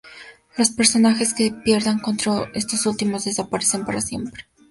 Los personajes que pierdan contra estos últimos desaparecen para siempre.